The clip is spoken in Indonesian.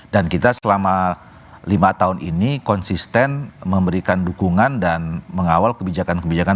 dan kita selama lima tahun ini konsisten memberikan dukungan dan mengawal kebijakan kebijakan